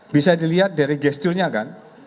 bisa dilihat dari gesturnya kan